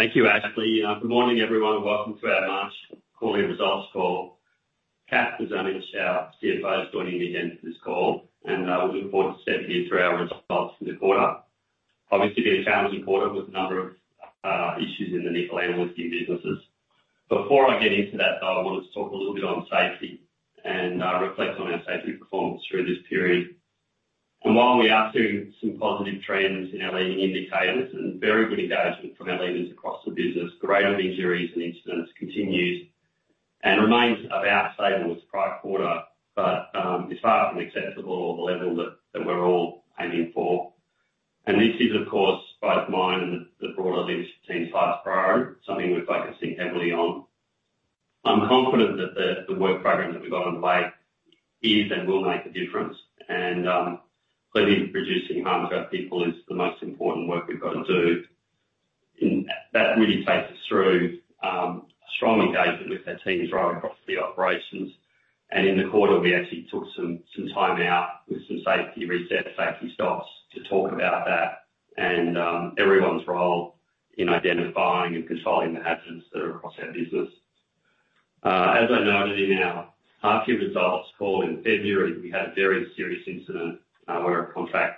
Thank you, Ashley. Good morning, everyone. Welcome to our March quarterly results call. Kath is on in the chat. CFO's joining me again for this call, and we look forward to stepping you through our results for the quarter. Obviously, been a challenging quarter with a number of issues in the nickel and lithium businesses. Before I get into that, though, I wanted to talk a little bit on safety and reflect on our safety performance through this period. And more we are seeing some positive trends in our leading indicators and very good engagement from our leaders across the business, the rate of injuries and incidents continues and remains about stable with prior quarter, but it's far from acceptable or the level that we're all aiming for. And this is, of course, both my and the broader leadership team's highest priority, something we're focusing heavily on. I'm confident that the work program that we've got underway is and will make a difference. Clearly, reducing harm to our people is the most important work we've got to do. That really takes us through strong engagement with our teams right across the operations. In the quarter, we actually took some time out with some safety resets, safety stops, to talk about that and everyone's role in identifying and controlling the hazards that are across our business. As I noted in our half-year results call in February, we had a very serious incident where a contractor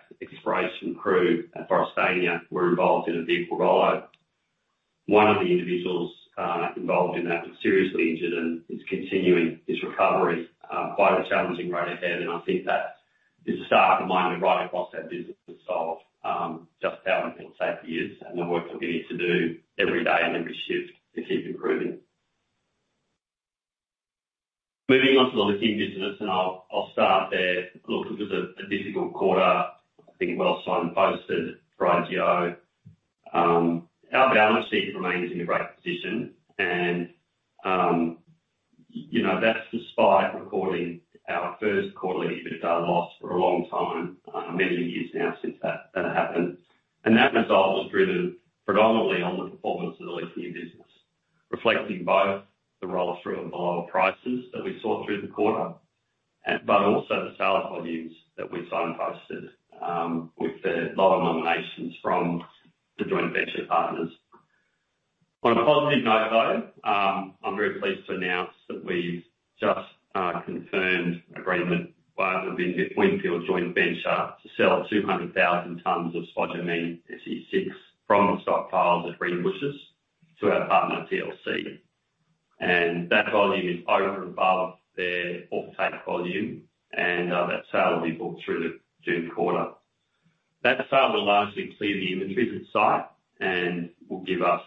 crew at Forrestania were involved in a vehicle rollover. One of the individuals involved in that was seriously injured and is continuing his recovery. Quite a challenging road ahead, and I think that is a starting point to write across our business of just how unhealthy safety is and the work that we need to do every day and every shift to keep improving. Moving on to the lithium business, and I'll start there. Look, it was a difficult quarter. I think well signed and posted for IGO. Our balance sheet remains in a great position, and that's despite recording our first quarterly loss for a long time, many years now since that happened. That result was driven predominantly on the performance of the lithium business, reflecting both the rollout through of the lower prices that we saw through the quarter, but also the sales volumes that we signed and posted with the lower nominations from the joint venture partners. On a positive note, though, I'm very pleased to announce that we've just confirmed agreement via the Windfield joint venture to sell 200,000 tonnes of spodumene SC6 from the stockpiles at Greenbushes to our partner TLC. That volume is over and above their off-take volume, and that sale will be booked through the June quarter. That sale will largely clear the inventories at site and will give us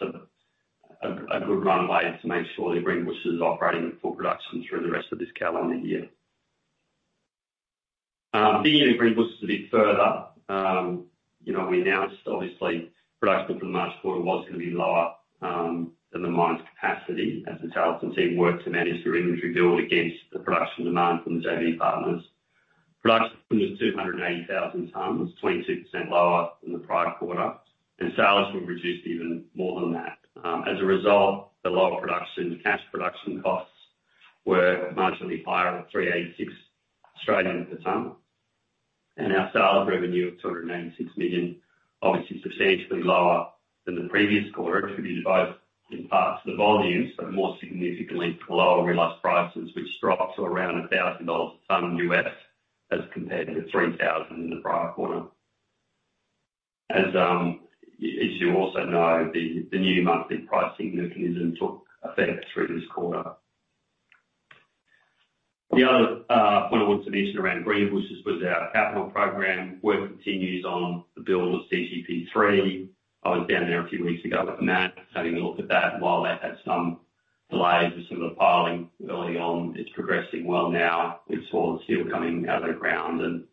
a good runway to make sure that Greenbushes is operating at full production through the rest of this calendar year. Digging into Greenbushes a bit further, we announced, obviously, production for the March quarter was going to be lower than the mine's capacity as the talented team worked to manage their inventory build against the production demand from the JV partners. Production was 280,000 tonnes, 22% lower than the prior quarter, and sales were reduced even more than that. As a result, the lower cash production costs were marginally higher at 386 per tonne, and our sales revenue of 286 million, obviously, substantially lower than the previous quarter, attributed both in part to the volumes but more significantly to the lower realized prices, which dropped to around $1,000 USD per tonne as compared to $3,000 USD in the prior quarter. As you also know, the new monthly pricing mechanism took effect through this quarter. The other point I wanted to mention around Greenbushes was our capital program. Work continues on the build of CGP3. I was down there a few weeks ago with Matt, having a look at that while they had some delays with some of the piling early on. It's progressing well now. We saw the steel coming out of the ground, and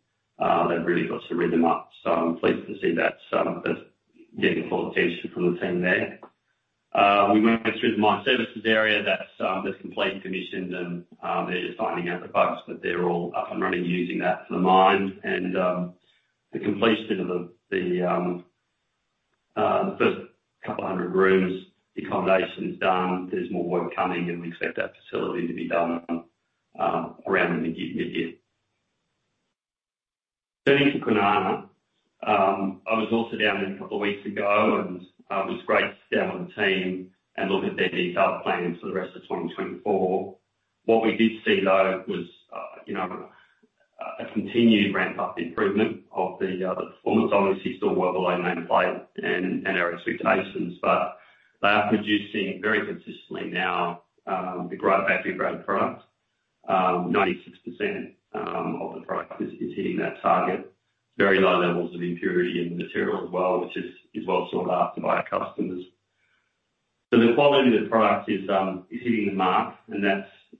they've really got some rhythm up. So I'm pleased to see that's getting full attention from the team there. We went through the mine services area. That's completely commissioned, and they're just finding out the bugs, but they're all up and running using that for the mine. And the completion of the first couple hundred rooms, the accommodation's done. There's more work coming, and we expect that facility to be done around the mid-year. Turning to Kwinana, I was also down there a couple of weeks ago, and it was great to sit down with the team and look at their detailed plan for the rest of 2024. What we did see, though, was a continued ramp-up improvement of the performance. Obviously, still well below nameplate and our expectations, but they are producing very consistently now the great battery-grade product. 96% of the product is hitting that target. Very low levels of impurity in the material as well, which is well sought after by our customers. So the quality of the product is hitting the mark, and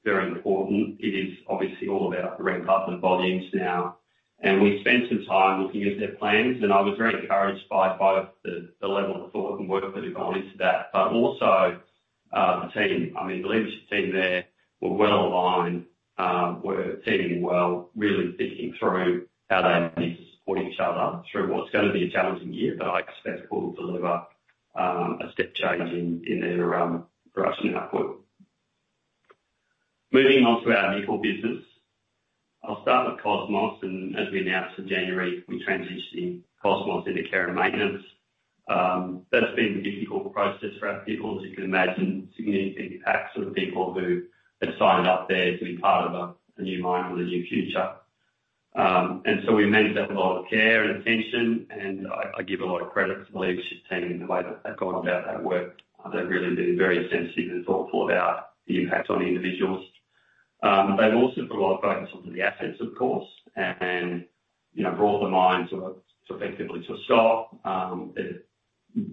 that's very important. It is obviously all about the ramp-up and volumes now. We spent some time looking at their plans, and I was very encouraged by both the level of thought and work that they've gone into that, but also the team. I mean, the leadership team there were well aligned, were teaming well, really thinking through how they need to support each other through what's going to be a challenging year, but I expect to be able to deliver a step change in their production output. Moving on to our nickel business, I'll start with Cosmos. As we announced in January, we transitioned Cosmos into care and maintenance. That's been a difficult process for our people, as you can imagine, significant impacts on the people who had signed up there to be part of a new mine for the new future. So it has meant a lot of care and attention, and I give a lot of credit to the leadership team in the way that they've gone about that work. They've really been very sensitive and thoughtful about the impact on individuals. They've also put a lot of focus onto the assets, of course, and brought the mine effectively to a stop. They're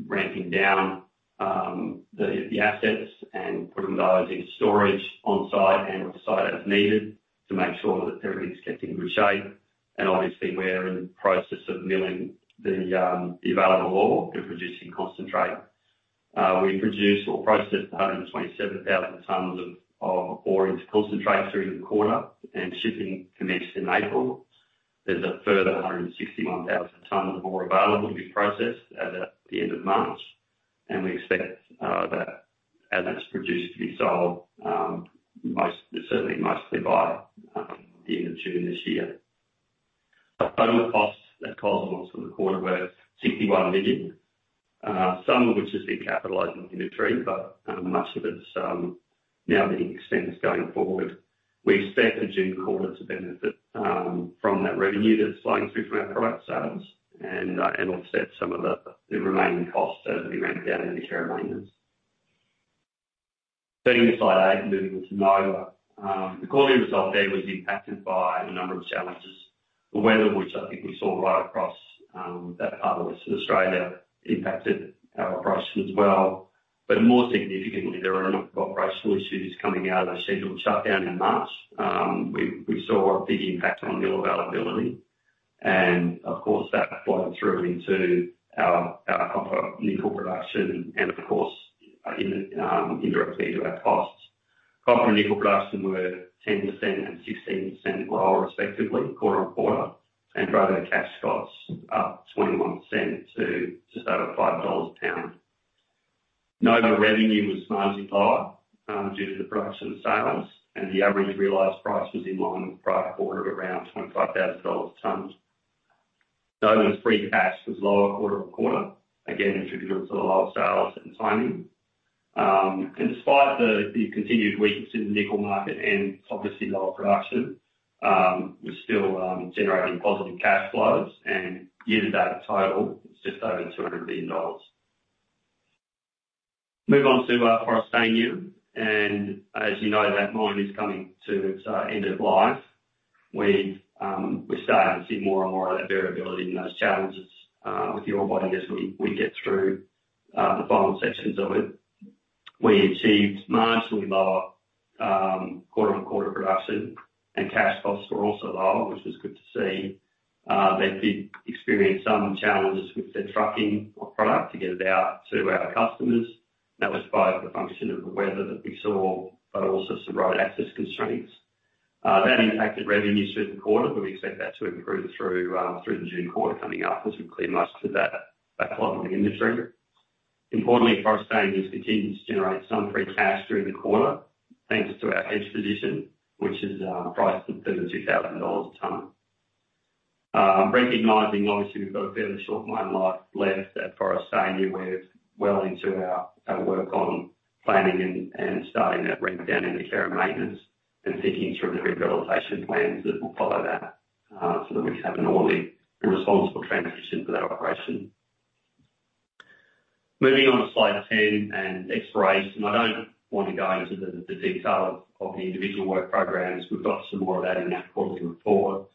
ramping down the assets and putting those into storage on-site and off-site as needed to make sure that everything's kept in good shape. Obviously, we're in the process of milling the available ore and producing concentrate. We produce or process 127,000 tonnes of ore into concentrate through the quarter and shipping commenced in April. There's a further 161,000 tonnes of ore available to be processed at the end of March, and we expect that, as it's produced, to be sold certainly mostly by the end of June this year. Total costs at Cosmos for the quarter were 61 million, some of which has been capitalized in inventory, but much of it's now being expensed going forward. We expect the June quarter to benefit from that revenue that's flowing through from our product sales and offset some of the remaining costs as we ramp down into care and maintenance. Turning to slide 8 and moving on to Nova, the quarterly result there was impacted by a number of challenges. The weather, which I think we saw right across that part of Western Australia, impacted our operation as well. But more significantly, there were a number of operational issues coming out of the scheduled shutdown in March. We saw a big impact on mill availability, and of course, that flowed through into our copper nickel production and, of course, indirectly into our costs. Copper and nickel production were 10% and 16% lower, respectively, quarter-on-quarter, and greater cash costs up 21% to just over $5 a pound. Nova revenue was marginally higher due to the production sales, and the average real-life price was in line with prior quarter at around $25,000 a tonne. Nova's free cash was lower quarter-on-quarter, again attributed to the lower sales and timing. Despite the continued weakness in the nickel market and obviously lower production, we're still generating positive cash flows, and year-to-date total, it's just over 200 million dollars. Move on to Forrestania. As you know, that mine is coming to its end of life. We're starting to see more and more of that variability in those challenges with the ore body as we get through the final sections of it. We achieved marginally lower quarter-on-quarter production, and cash costs were also lower, which was good to see. They did experience some challenges with their trucking of product to get it out to our customers. That was both a function of the weather that we saw but also some road access constraints. That impacted revenue through the quarter, but we expect that to improve through the June quarter coming up as we clear most of that flow from the inventory. Importantly, Forrestania has continued to generate some free cash during the quarter thanks to our hedge position, which is priced at $32,000 a tonne. Recognizing, obviously, we've got a fairly short mine life left at Forrestania, we're well into our work on planning and starting that ramp-down into care and maintenance and thinking through the rehabilitation plans that will follow that so that we can have an orderly and responsible transition for that operation. Moving on to slide 10 and exploration. I don't want to go into the detail of the individual work programs. We've got some more of that in our quarterly report.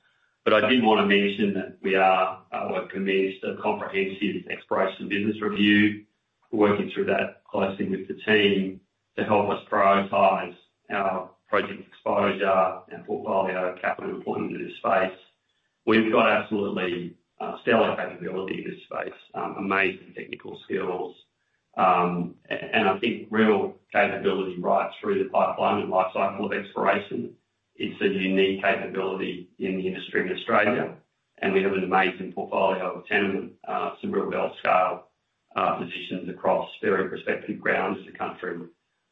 But I did want to mention that we have commenced a comprehensive exploration business review. We're working through that closely with the team to help us prioritize our project exposure, our portfolio, capital employment in this space. We've got absolutely stellar capability in this space, amazing technical skills, and I think real capability right through the pipeline and lifecycle of exploration. It's a unique capability in the industry in Australia, and we have an amazing portfolio of tenements, some real belt-scale positions across various respective grounds of the country.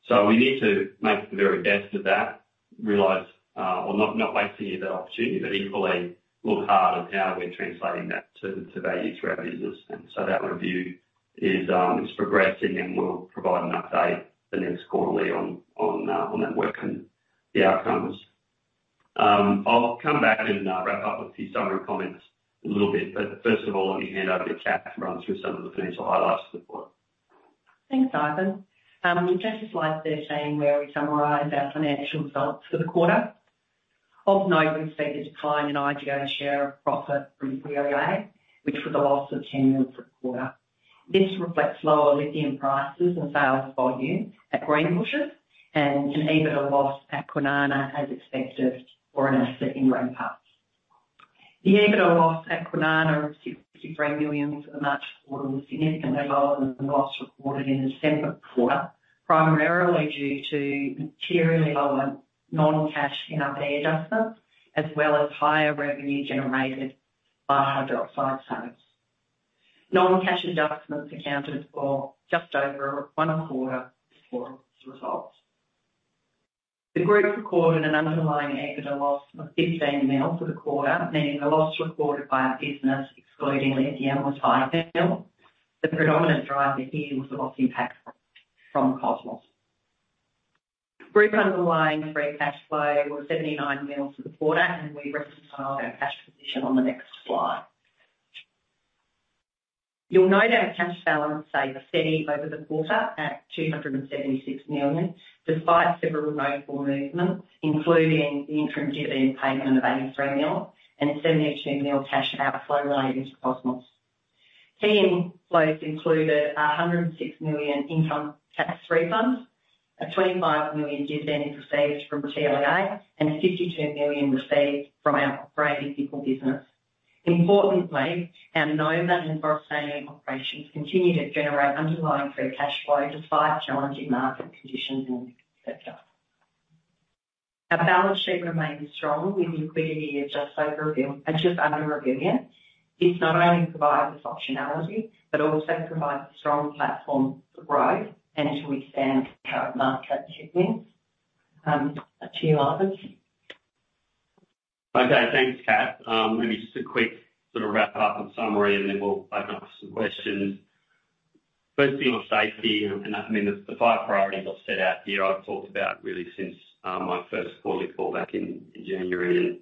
So we need to make the very best of that, realize or not waste any of that opportunity, but equally look hard at how we're translating that to value through our business. And so that review is progressing, and we'll provide an update the next quarterly on that work and the outcomes. I'll come back and wrap up with a few summary comments in a little bit. But first of all, let me hand over to Kath to run through some of the financial highlights of the quarter. Thanks, Ivan. Just to Slide 13, where we summarize our financial results for the quarter. At Nova, we've seen a decline in IGO's share of profit from TLEA, which was a loss of 10 units for the quarter. This reflects lower lithium prices and sales volume at Greenbushes and an EBITDA loss at Kwinana as expected for an asset in ramp-up. The EBITDA loss at Kwinana of 63 million for the March quarter was significantly lower than the loss recorded in the December quarter, primarily due to materially lower non-cash NRV adjustments as well as higher revenue generated by hydroxide sales. Non-cash adjustments accounted for just over one-quarter of the results. The group recorded an underlying EBITDA loss of 15 million for the quarter, meaning the loss recorded by our business excluding lithium was 5 million. The predominant driver here was the loss impact from Cosmos. Group underlying free cash flow was 79 million for the quarter, and we reconciled our cash position on the next slide. You'll note our cash balance stayed steady over the quarter at AUD 276 million despite several notable movements, including the interim dividend payment of AUD 83 million and AUD 72 million cash outflow relating to Cosmos. Key inflows included AUD 106 million income tax refunds, a AUD 25 million dividend received from TLEA, and AUD 52 million received from our operating nickel business. Importantly, our Nova and Forrestania operations continue to generate underlying free cash flow despite challenging market conditions in the nickel sector. Our balance sheet remains strong with liquidity of just under a AUD 1 billion. It not only provides us optionality but also provides a strong platform for growth and to expand our market headwinds. That's you, Ivan. Okay. Thanks, Kath. Maybe just a quick sort of wrap-up and summary, and then we'll open up for some questions. Firstly, on safety. I mean, the five priorities I've set out here, I've talked about really since my first quarterly call back in January.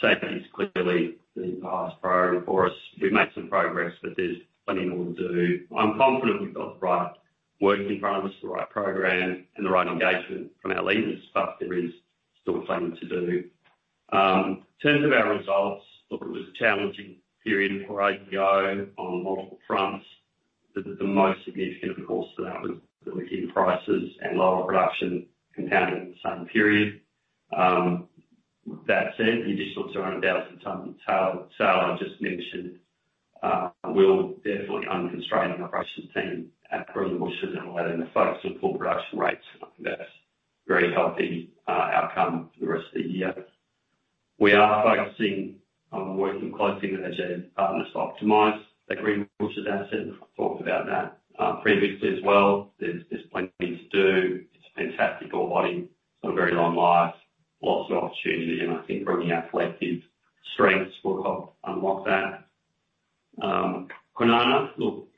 Safety's clearly the highest priority for us. We've made some progress, but there's plenty more to do. I'm confident we've got the right work in front of us, the right program, and the right engagement from our leaders, but there is still plenty to do. In terms of our results, look, it was a challenging period for IGO on multiple fronts. The most significant, of course, for that was the lithium prices and lower production compounding in the same period. That said, the additional 200,000 tonnes of sale I just mentioned will definitely unconstrain the operations team at Greenbushes and allow them to focus on full production rates. I think that's a very healthy outcome for the rest of the year. We are focusing on working closely with our partners to optimize the Greenbushes asset. I've talked about that previously as well. There's plenty to do. It's a fantastic ore body. It's got a very long life, lots of opportunity, and I think bringing our collective strengths will help unlock that. Kwinana, look,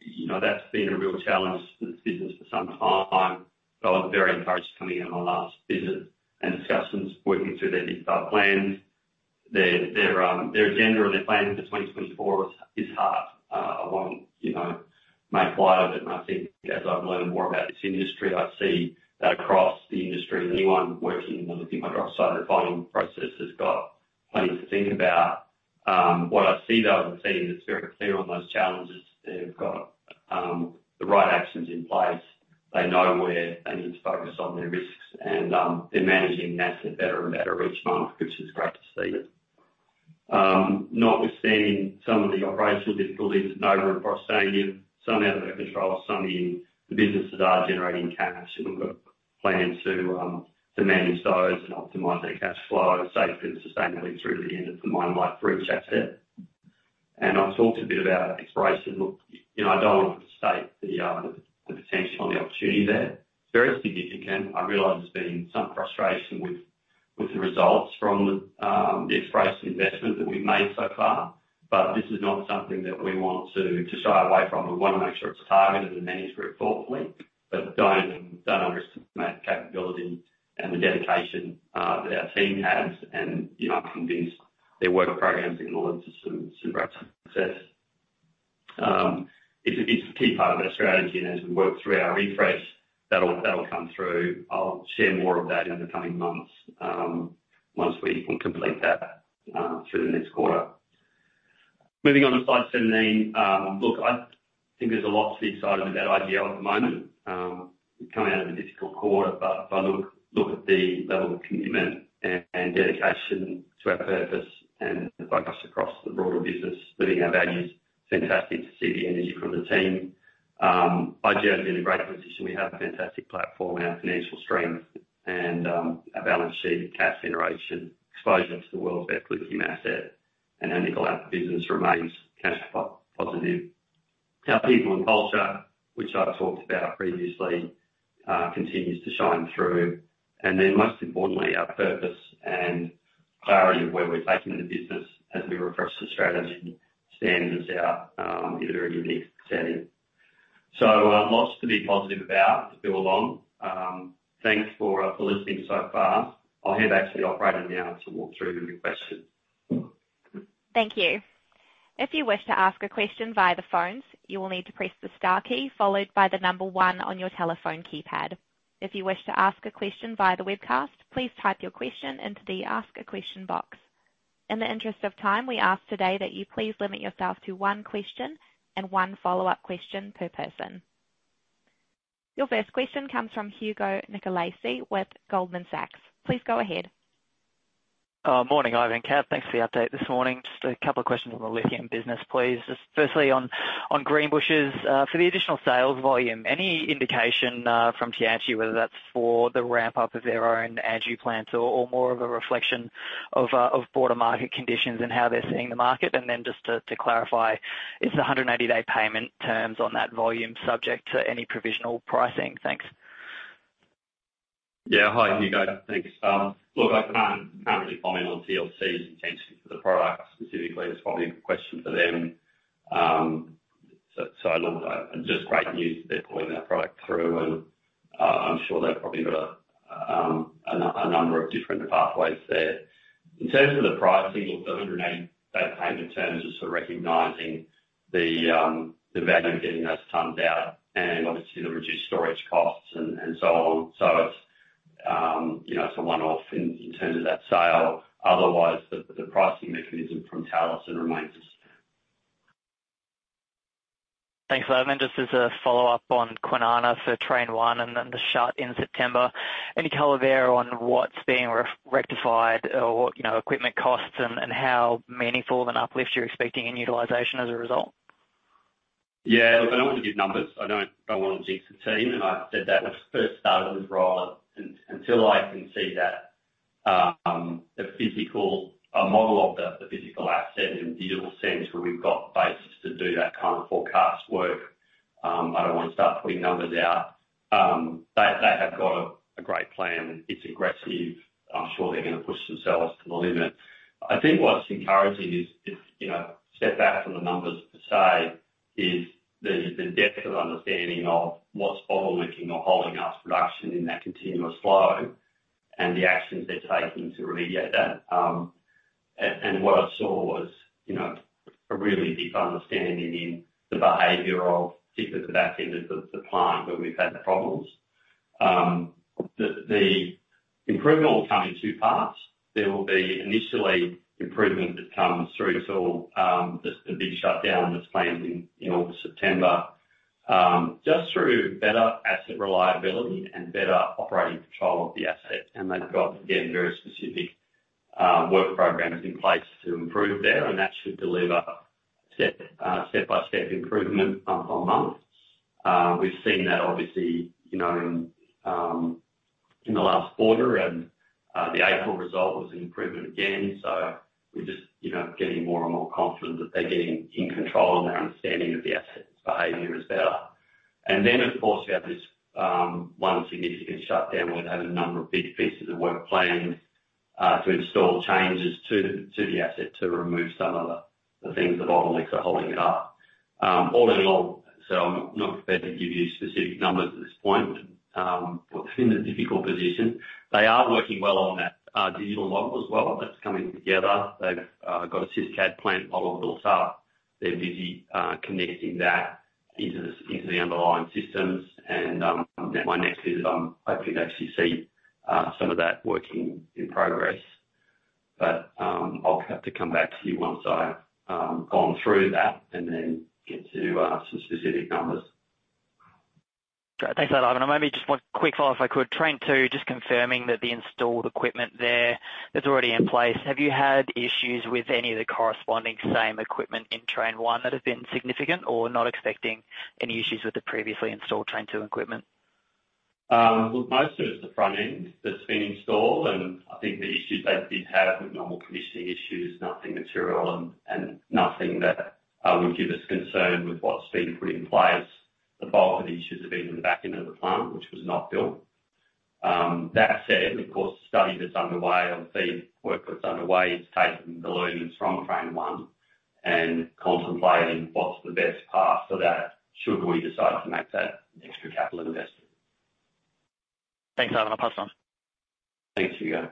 that's been a real challenge for this business for some time, but I was very encouraged coming in on my last visit and discussions, working through their detailed plans. Their agenda or their plan for 2024 is hard. I won't make light of it. And I think as I've learned more about this industry, I see that across the industry, anyone working in the lithium hydroxide refining process has got plenty to think about. What I see, though, is a team that's very clear on those challenges. They've got the right actions in place. They know where they need to focus on their risks, and they're managing the asset better and better each month, which is great to see. Notwithstanding some of the operational difficulties at Nova and Forrestania, some out of their control, some in the business that are generating cash, and we've got plans to manage those and optimize their cash flow safely and sustainably through the end of the mine life for each asset. And I've talked a bit about expansion. Look, I don't want to overstate the potential and the opportunity there. It's very significant. I realize there's been some frustration with the results from the exploration investment that we've made so far, but this is not something that we want to shy away from. We want to make sure it's targeted and managed very thoughtfully but don't underestimate the capability and the dedication that our team has. And I'm convinced their work programs are going to lead to some great success. It's a key part of our strategy, and as we work through our refresh, that'll come through. I'll share more of that in the coming months once we complete that through the next quarter. Moving on to slide 17. Look, I think there's a lot to be excited about IGO at the moment. We've come out of a difficult quarter, but if I look at the level of commitment and dedication to our purpose and the focus across the broader business, living our values. Fantastic to see the energy from the team. IGO's in a great position. We have a fantastic platform, our financial strength, and our balance sheet of cash generation, exposure to the world's best lithium asset, and our nickel business remains cash-positive. Our people and culture, which I've talked about previously, continues to shine through. Then most importantly, our purpose and clarity of where we're taking the business as we refresh the strategy and standards out in a very unique setting. Lots to be positive about to go along. Thanks for listening so far. I'll hand back to the operator now to walk through with your questions. Thank you. If you wish to ask a question via the phones, you will need to press the star key followed by the number 1 on your telephone keypad. If you wish to ask a question via the webcast, please type your question into the Ask A Question box. In the interest of time, we ask today that you please limit yourself to one question and one follow-up question per person. Your first question comes from Hugo Nicolaci with Goldman Sachs. Please go ahead. Morning, Ivan. Kath, thanks for the update this morning. Just a couple of questions on the lithium business, please. Firstly, on Greenbushes, for the additional sales volume, any indication from Tianqi, whether that's for the ramp-up of their own hydroxide plants or more of a reflection of broader market conditions and how they're seeing the market? And then just to clarify, is the 180-day payment terms on that volume subject to any provisional pricing? Thanks. Yeah. Hi, Hugo. Thanks. Look, I can't really comment on TLC's intention for the product specifically. It's probably a good question for them. So look, just great news that they're pulling that product through, and I'm sure they've probably got a number of different pathways there. In terms of the pricing, look, the 180-day payment terms are sort of recognizing the value of getting those tonnes out and obviously the reduced storage costs and so on. So it's a one-off in terms of that sale. Otherwise, the pricing mechanism from Talison remains the same. Thanks, Ivan. Just as a follow-up on Kwinana for Train 1 and then the shutdown in September, any color there on what's being rectified or equipment costs and how meaningful of an uplift you're expecting in utilization as a result? Yeah. Look, I don't want to give numbers. I don't want to jinx the team. And I said that when I first started in this role. Until I can see a model of the physical asset in a digital sense where we've got the basis to do that kind of forecast work, I don't want to start putting numbers out. They have got a great plan. It's aggressive. I'm sure they're going to push themselves to the limit. I think what's encouraging is, step back from the numbers per se, is the depth of understanding of what's bottlenecking or holding up production in that continuous flow and the actions they're taking to remediate that. What I saw was a really deep understanding in the behavior of particularly the back end of the plant where we've had problems. The improvement will come in two parts. There will be initially improvement that comes through till the big shutdown that's planned in August, September, just through better asset reliability and better operating control of the asset. They've got, again, very specific work programs in place to improve there, and that should deliver step-by-step improvement month-on-month. We've seen that, obviously, in the last quarter, and the April result was an improvement again. So we're just getting more and more confident that they're getting in control and their understanding of the asset's behavior is better. And then, of course, we had this one significant shutdown where they had a number of big pieces of work planned to install changes to the asset to remove some of the things that bottlenecked or holding it up. All in all, so I'm not prepared to give you specific numbers at this point, but they're in a difficult position. They are working well on that digital model as well that's coming together. They've got a SysCAD plant model built up. They're busy connecting that into the underlying systems. And at my next visit, I'm hoping to actually see some of that working in progress. But I'll have to come back to you once I've gone through that and then get to some specific numbers. Great. Thanks a lot, Ivan. And maybe just one quick follow-up, if I could. Train 2, just confirming that the installed equipment there, that's already in place, have you had issues with any of the corresponding same equipment in Train 1 that have been significant or not expecting any issues with the previously installed Train 2 equipment? Look, most of it's the front end that's been installed, and I think the issues they did have with normal commissioning issues, nothing material and nothing that would give us concern with what's being put in place. The bulk of the issues have been in the back end of the plant, which was not built. That said, of course, the study that's underway or the work that's underway is taking the learnings from Train 1 and contemplating what's the best path for that should we decide to make that extra capital investment. Thanks, Ivan. I'll pass on. Thanks, Hugo.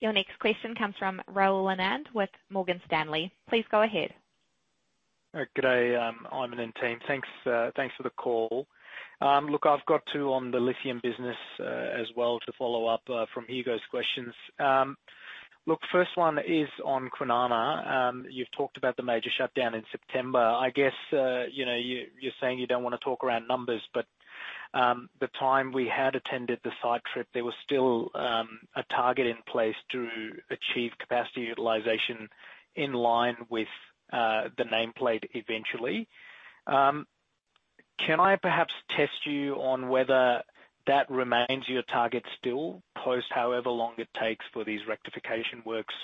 Your next question comes from Rahul Anand with Morgan Stanley. Please go ahead. Good day. Ivan and team. Thanks for the call. Look, I've got two on the lithium business as well to follow up from Hugo's questions. Look, first one is on Kwinana. You've talked about the major shutdown in September. I guess you're saying you don't want to talk around numbers, but the time we had attended the site trip, there was still a target in place to achieve capacity utilization in line with the nameplate eventually. Can I perhaps test you on whether that remains your target still post however long it takes for these rectification works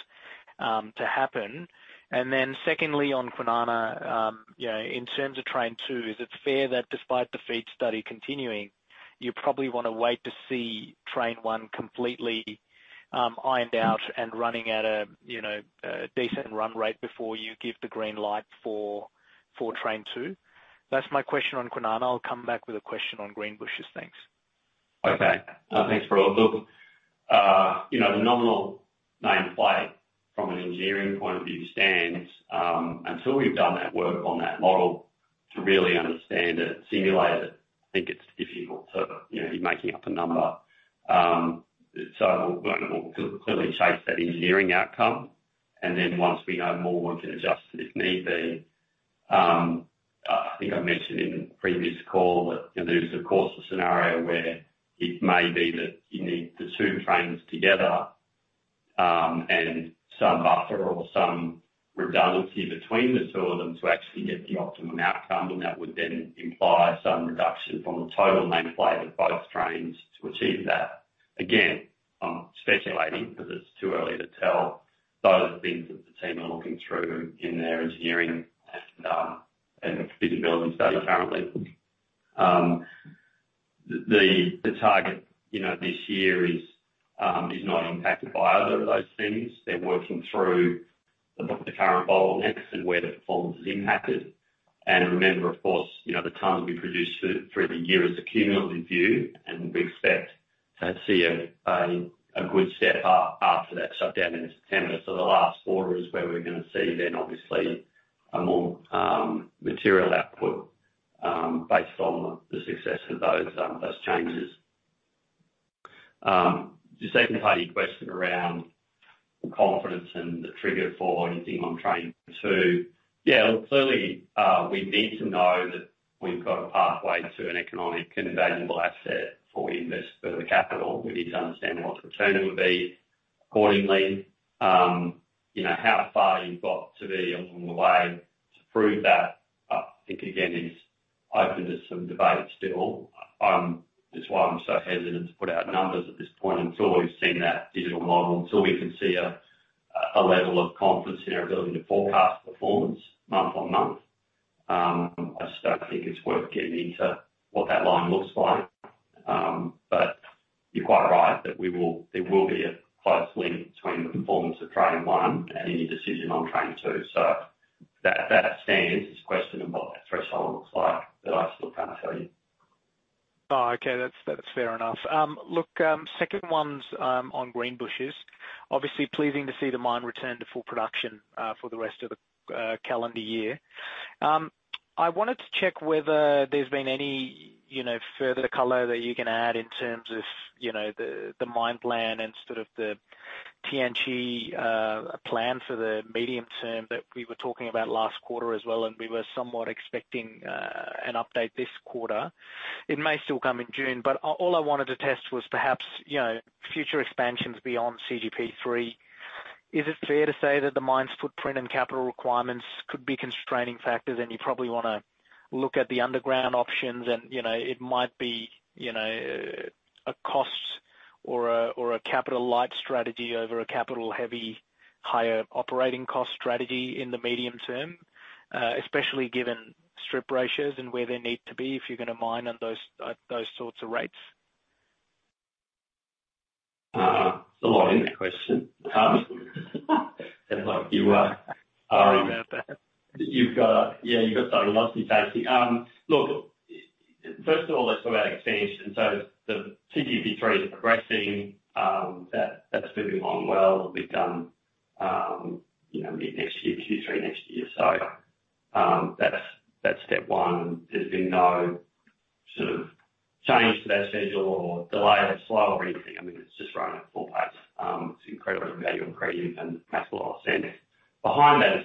to happen? And then secondly, on Kwinana, in terms of Train 2, is it fair that despite the feed study continuing, you probably want to wait to see Train 1 completely ironed out and running at a decent run rate before you give the green light for Train 2? That's my question on Kwinana. I'll come back with a question on Greenbushes. Thanks. Okay. Thanks, Rahul. Look, the nominal nameplate, from an engineering point of view, stands until we've done that work on that model to really understand it, simulate it. I think it's difficult to be making up a number. So we'll clearly chase that engineering outcome. And then once we know more, we can adjust it if need be. I think I mentioned in the previous call that there is, of course, a scenario where it may be that you need the two trains together and some buffer or some redundancy between the two of them to actually get the optimum outcome, and that would then imply some reduction from the total nameplate of both trains to achieve that. Again, I'm speculating because it's too early to tell. Those are things that the team are looking through in their engineering and feasibility study currently. The target this year is not impacted by either of those things. They're working through the current bottlenecks and where the performance is impacted. Remember, of course, the tons we produce through the year is a cumulative view, and we expect to see a good step up after that shutdown in September. So the last quarter is where we're going to see then, obviously, a more material output based on the success of those changes. The second part of your question around the confidence and the trigger for anything on Train 2, yeah, look, clearly, we need to know that we've got a pathway to an economic and valuable asset before we invest further capital. We need to understand what the return would be accordingly, how far you've got to be along the way to prove that.I think, again, it's open to some debate still. That's why I'm so hesitant to put out numbers at this point until we've seen that digital model, until we can see a level of confidence in our ability to forecast performance month-on-month. I just don't think it's worth getting into what that line looks like. But you're quite right that there will be a close link between the performance of Train 1 and any decision on Train 2. So that stands as a question of what that threshold looks like that I still can't tell you. Oh, okay. That's fair enough. Look, second one's on Greenbushes. Obviously, pleasing to see the mine return to full production for the rest of the calendar year. I wanted to check whether there's been any further color that you can add in terms of the mine plan and sort of the Tianqi plan for the medium term that we were talking about last quarter as well, and we were somewhat expecting an update this quarter. It may still come in June, but all I wanted to test was perhaps future expansions beyond CGP3. Is it fair to say that the mine's footprint and capital requirements could be constraining factors, and you probably want to look at the underground options? And it might be a cost or a capital-light strategy over a capital-heavy, higher operating cost strategy in the medium term, especially given strip ratios and where they need to be if you're going to mine at those sorts of rates? It's a lot in that question. Sorry about that. Yeah, you've got something else you're chasing. Look, first of all, let's talk about expansion. So the CGP3 is progressing. That's moving along well. We'll be done mid-next year, Q3 next year. So that's step one. There's been no sort of change to that schedule or delay of that slow or anything. I mean, it's just running at full pace. It's incredibly value-increasing and makes a lot of sense. Behind that is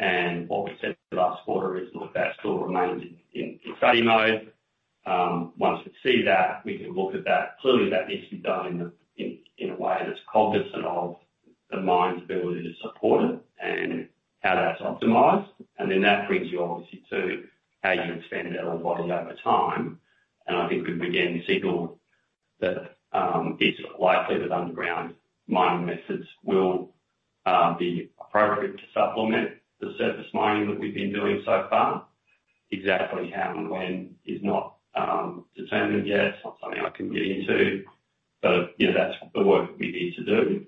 CGP4. What we said last quarter is, look, that still remains in study mode. Once we see that, we can look at that. Clearly, that needs to be done in a way that's cognizant of the mine's ability to support it and how that's optimized. Then that brings you, obviously, to how you expand the metal body over time. I think we've, again, signaled that it's likely that underground mining methods will be appropriate to supplement the surface mining that we've been doing so far. Exactly how and when is not determined yet. It's not something I can get into. But that's the work that we need to do.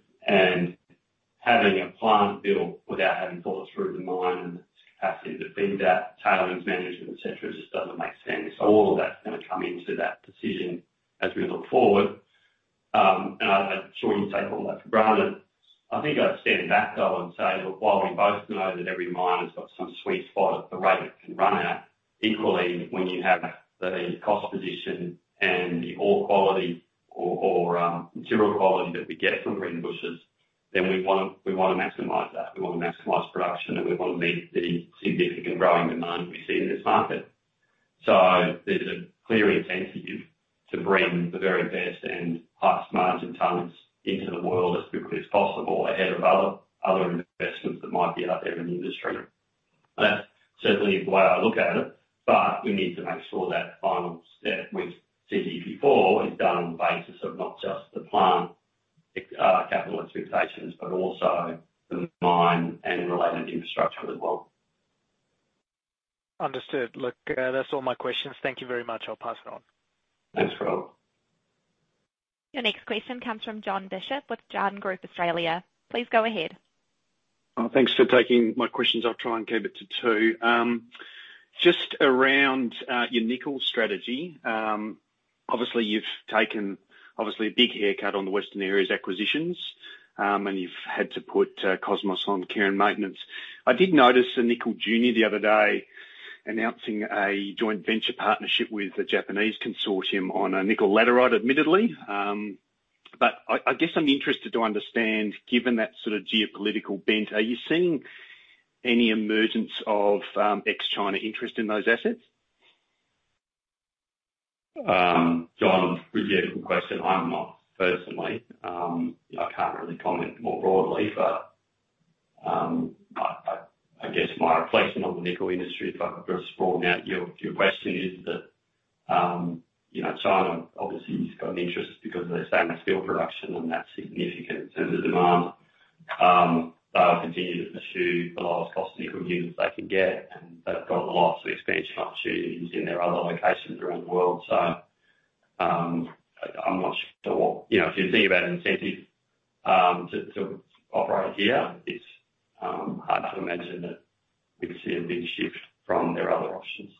Having a plant built without having thought through the mine and its capacity to feed that, tailings management, etc., just doesn't make sense. So all of that's going to come into that decision as we look forward. And I'm sure you take all that for granted. I think I'd stand back, though, and say, look, while we both know that every mine has got some sweet spot at the rate it can run at, equally, when you have the cost position and the ore quality or material quality that we get from Greenbushes, then we want to maximize that. We want to maximize production, and we want to meet the significant growing demand we see in this market. So there's a clear intent to bring the very best and highest margin tonnes into the world as quickly as possible ahead of other investments that might be out there in the industry. And that's certainly the way I look at it. But we need to make sure that final step with CGP4 is done on the basis of not just the plant capital expectations but also the mine and related infrastructure as well. Understood. Look, that's all my questions. Thank you very much. I'll pass it on. Thanks, Rahul. Your next question comes from Jon Bishop with Jarden Australia. Please go ahead. Thanks for taking my questions. I'll try and keep it to two. Just around your nickel strategy, obviously, you've taken, obviously, a big haircut on the Western Australia's acquisitions, and you've had to put Cosmos on care and maintenance. I did notice nickel junior the other day announcing a joint venture partnership with a Japanese consortium on a nickel laterite, admittedly. But I guess I'm interested to understand, given that sort of geopolitical bent, are you seeing any emergence of ex-China interest in those assets? Jon, good year, good question. I'm not, personally. I can't really comment more broadly, but I guess my replacement on the nickel industry, if I could just broaden out your question, is that China, obviously, has got an interest because of their same steel production, and that's significant in terms of demand. They'll continue to pursue the lowest cost nickel units they can get, and they've got lots of expansion opportunities in their other locations around the world. So I'm not sure what if you're thinking about an incentive to operate here, it's hard to imagine that we'd see a big shift from their other options.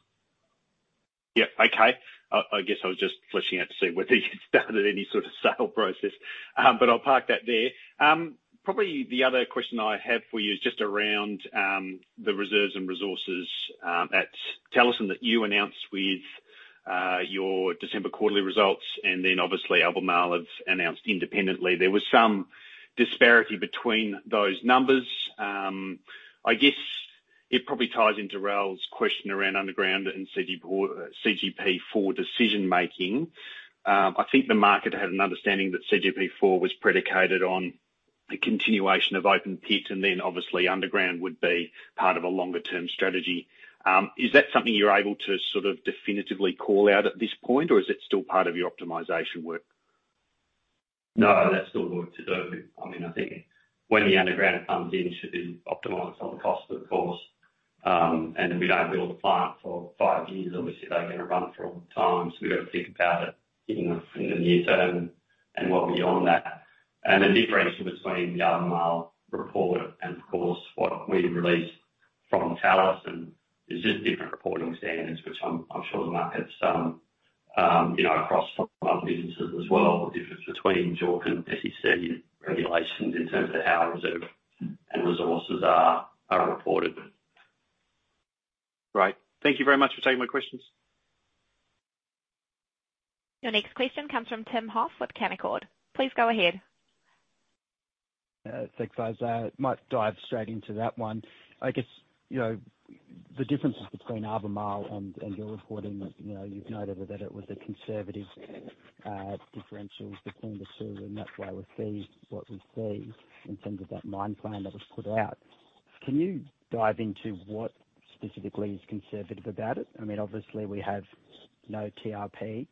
Yeah. Okay. I guess I was just flashing at to see whether you'd started any sort of sale process, but I'll park that there. Probably the other question I have for you is just around the reserves and resources at Talison that you announced with your December quarterly results, and then, obviously, Albemarle have announced independently. There was some disparity between those numbers. I guess it probably ties into Roel's question around underground and CGP4 decision-making. I think the market had an understanding that CGP4 was predicated on a continuation of open pit, and then, obviously, underground would be part of a longer-term strategy. Is that something you're able to sort of definitively call out at this point, or is it still part of your optimization work? No, that's still work to do. I mean, I think when the underground comes in, it should be optimized on the cost, of course. And if we don't build a plant for five years, obviously, they're going to run for a long time. So we've got to think about it in the near term and well beyond that. And the difference between the Albemarle report and, of course, what we released from Talison is just different reporting standards, which I'm sure the market's across from other businesses as well, the difference between JORC, SEC regulations in terms of how reserve and resources are reported. Right. Thank you very much for taking my questions. Your next question comes from Tim Hoff with Canaccord. Please go ahead. Thanks, Faiza. Might dive straight into that one. I guess the differences between Albemarle and your reporting, you've noted that it was a conservative differential between the two, and that's why we see what we see in terms of that mine plan that was put out. Can you dive into what specifically is conservative about it? I mean, obviously, we have no TRP.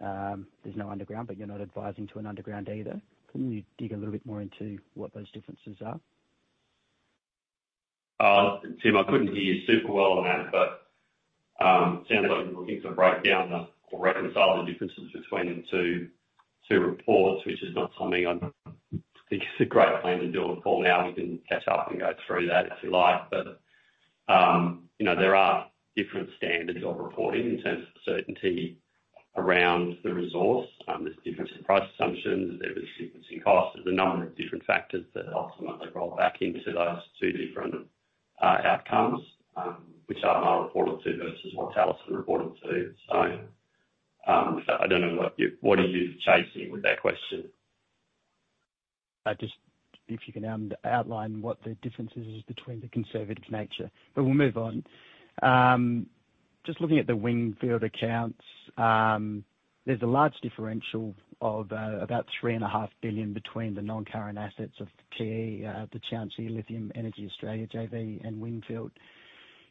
There's no underground, but you're not advising to an underground either. Can you dig a little bit more into what those differences are? Tim, I couldn't hear you super well on that, but it sounds like you're looking to break down or reconcile the differences between the two reports, which is not something I think is a great plan to do. Paul, now we can catch up and go through that if you like. But there are different standards of reporting in terms of certainty around the resource. There's difference in price assumptions. There is difference in cost. There's a number of different factors that ultimately roll back into those two different outcomes, which Albemarle reported to versus what Talison reported to. So I don't know what are you chasing with that question? Just if you can outline what the differences are between the conservative nature. But we'll move on. Just looking at the Windfield accounts, there's a large differential of about 3.5 billion between the non-current assets of TLEA, the Tianqi Lithium Energy Australia JV, and Windfield.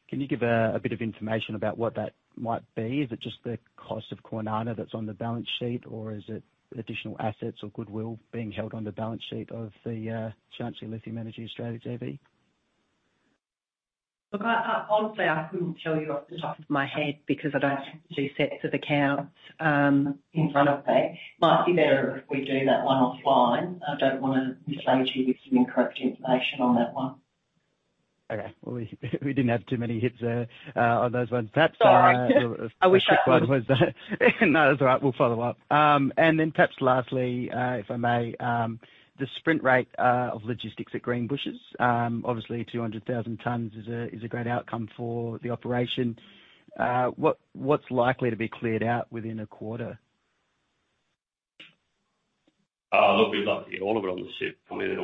Can you give a bit of information about what that might be? Is it just the cost of Kwinana that's on the balance sheet, or is it additional assets or goodwill being held on the balance sheet of the Tianqi Lithium Energy Australia JV? Look, honestly, I couldn't tell you off the top of my head because I don't have two sets of accounts in front of me. It might be better if we do that one offline. I don't want to mislead you with some incorrect information on that one. Okay. Well, we didn't have too many hits on those ones. Perhaps the quick one was no, that's all right. We'll follow up. And then perhaps lastly, if I may, the sprint rate of logistics at Greenbushes. Obviously, 200,000 tonnes is a great outcome for the operation. What's likely to be cleared out within a quarter? Look, we'd love to hear all of it on the ship. I mean,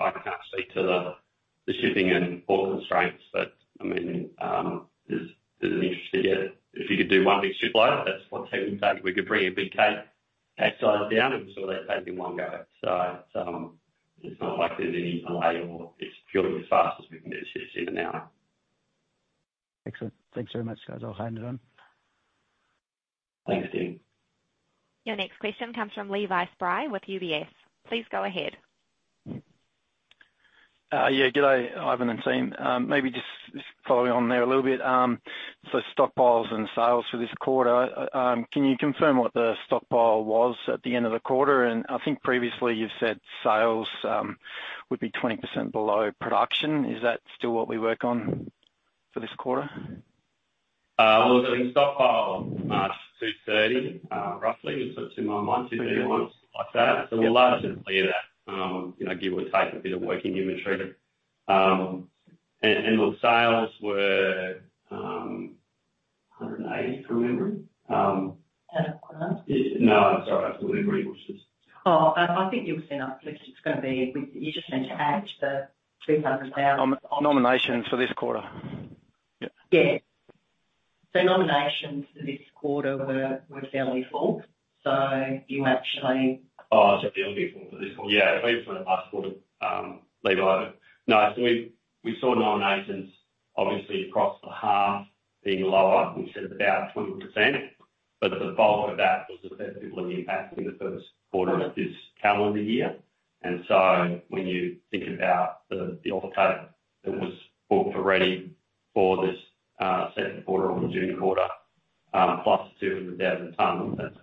I can't speak to the shipping and port constraints, but I mean, there's an interest to get. If you could do one big shipload, that's what's happening today. We could bring a big cap size down, and we saw that take it in one go. So it's not like there's any delay, or it's purely as fast as we can get the ships in and out. Excellent. Thanks very much, guys. I'll hand it on. Thanks, Tim. Your next question comes from Levi Spry with UBS. Please go ahead. Yeah. Good day, Ivan and Team. Maybe just following on there a little bit. So, stockpiles and sales for this quarter. Can you confirm what the stockpile was at the end of the quarter? And I think previously, you've said sales would be 20% below production. Is that still what we work on for this quarter? Look, I think stockpile March 230, roughly, is what's in my mind, 230 March, something like that. So we'll largely clear that, give or take a bit of working inventory. And look, sales were 180, from memory. Adequate? No, I'm sorry. I was delivering Greenbushes. Oh, I think you've seen us. It's going to be you just need to add the 300,000. Nominations for this quarter. Yeah. Yeah. So nominations for this quarter were fairly full. So you actually. Oh, it's fairly unfair for this quarter. Yeah. Even for the last quarter, Levi no, so we saw nominations, obviously, across the half being lower. We said it's about 20%, but the bulk of that was effectively impacting the first quarter of this calendar year. And so when you think about the offtake that was booked already for this second quarter or June quarter, plus 200,000 tonnes, that's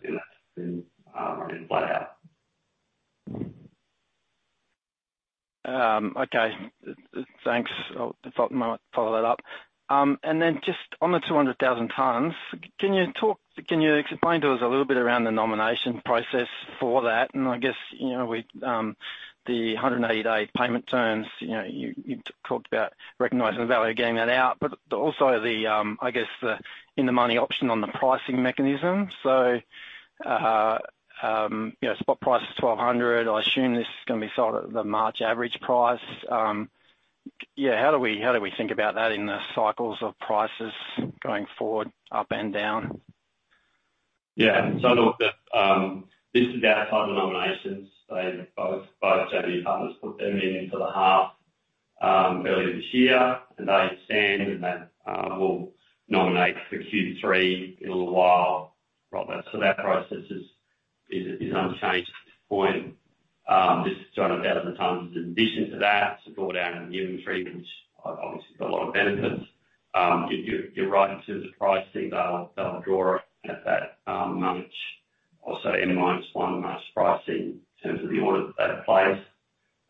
been flat out. Okay. Thanks. I'll follow that up. And then just on the 200,000 tonnes, can you explain to us a little bit around the nomination process for that? And I guess the 180-day payment terms, you talked about recognizing the value of getting that out, but also the, I guess, in-the-money option on the pricing mechanism. So spot price is $1,200. I assume this is going to be sold at the March average price. Yeah. How do we think about that in the cycles of prices going forward, up and down? Yeah. So look, this is outside the nominations. Both JV partners put their name in the hat earlier this year, and they stand, and they will nominate for Q3 in a little while. So that process is unchanged at this point. This 200,000 tonnes is in addition to that to draw down in the inventory, which obviously has a lot of benefits. You're right in terms of pricing. They'll draw at that March, also M-1 March pricing in terms of the order that they've placed.